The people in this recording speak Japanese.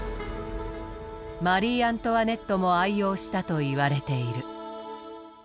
マリー・アントワネットも愛用したといわれている。